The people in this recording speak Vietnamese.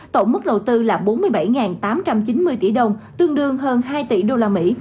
tổng mức đầu tư là bốn mươi bảy tám trăm chín mươi tỷ đồng tương đương hơn hai tỷ usd